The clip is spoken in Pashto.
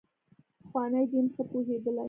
پخواني دین ښه پوهېدلي.